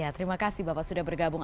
terima kasih bapak sudah bergabung